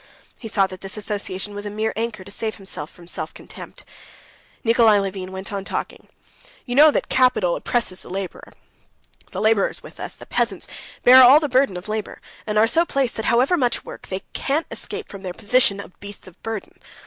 He saw that this association was a mere anchor to save him from self contempt. Nikolay Levin went on talking: "You know that capital oppresses the laborer. The laborers with us, the peasants, bear all the burden of labor, and are so placed that however much they work they can't escape from their position of beasts of burden.